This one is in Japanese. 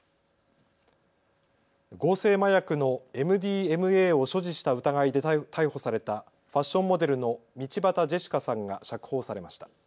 合成麻薬のＭＤＭＡを所持した疑いで逮捕されたファッションモデルの道端ジェシカさんが釈放されました。